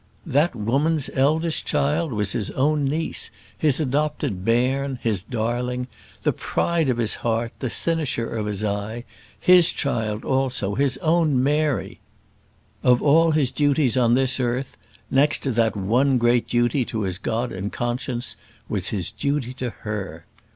That woman's eldest child was his own niece, his adopted bairn, his darling, the pride of his heart, the cynosure of his eye, his child also, his own Mary. Of all his duties on this earth, next to that one great duty to his God and conscience, was his duty to her.